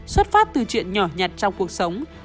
xuất phát từ chuyện nhỏ nhạt trong cuộc sống